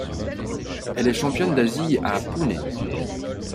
Elle est championne d'Asie à Pune.